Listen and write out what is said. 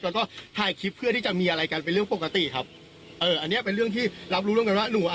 เราเนี่ยคือว่าเรียกไปสองแสนนะ